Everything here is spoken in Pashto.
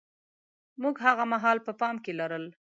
موږ هاغه مهال په پام کې لرل.